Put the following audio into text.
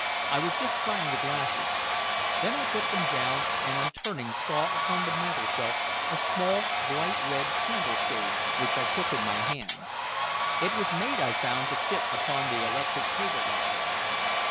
"I was just trying the glasses." Then I put them down, and on turning saw upon the mantelshelf a small, bright red candleshade, which I took in my hand. It was made, I found, to fit upon the electric table lamp.